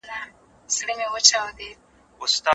لمر د انرژۍ لپاره مرکزي سرچینه ده.